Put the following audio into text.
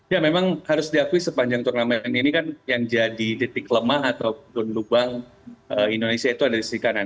ya memang harus diakui sepanjang turnamen ini kan yang jadi detik lemah ataupun lubang indonesia itu ada di sisi kanan